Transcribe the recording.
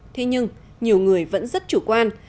thế nhưng nhiều người vẫn rất chủ quan